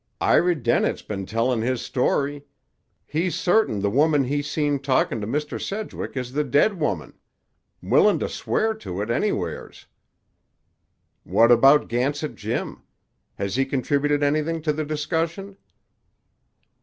"Iry Dennett's been tellin' his story. He's certain the woman he seen talkin' to Mr. Sedgwick is the dead woman. Willin' to swear to it anywheres." "What about Gansett Jim? Has he contributed anything to the discussion?"